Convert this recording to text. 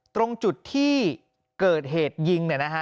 ตรงจุดที่เกิดเหตุยิง